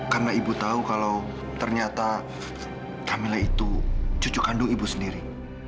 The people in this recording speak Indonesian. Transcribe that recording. karena ibu tau kalau ternyata kamilah itu cucu kandung ibu sendiri